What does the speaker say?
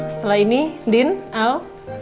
setelah ini din al